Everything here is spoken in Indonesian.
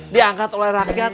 diangkat oleh rakyat